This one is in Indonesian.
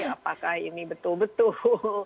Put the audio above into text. apakah ini betul betul